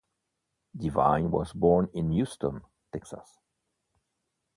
Devine was born in Houston, Texas.